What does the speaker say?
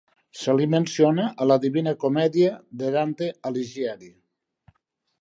Se li menciona a "La divina comèdia" de Dante Alighieri.